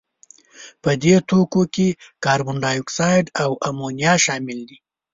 په دې توکو کې کاربن دای اکساید او امونیا شامل دي.